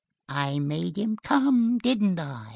"I made him come, didn't I?"